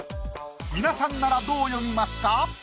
皆さんならどう詠みますか？